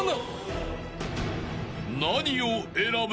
［何を選ぶ？］